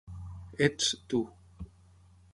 "Ets" tu.